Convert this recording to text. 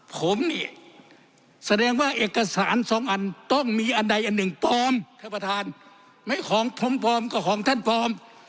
ผมเนี่ยแสดงว่าเอกสารสองอันต้องมีอันใดอันหนึ่งปลอม